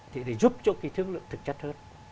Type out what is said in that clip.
thì để giúp cho cái thương lượng thực chất hơn